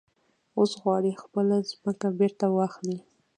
اوس غواړي خپله ځمکه بېرته واخلي.